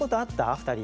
２人。